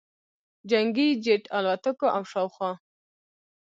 جنګي جټ الوتکو او شاوخوا